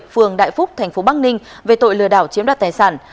phường đại phúc thành phố bắc ninh về tội lừa đảo chiếm đoạt tài sản